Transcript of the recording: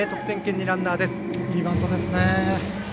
いいバントですね。